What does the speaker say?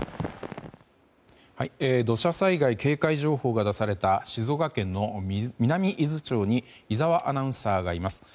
土砂災害警戒情報が出された静岡県の南伊豆町に井澤アナウンサーがいます。